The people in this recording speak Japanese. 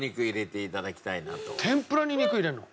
天ぷらに肉入れるの？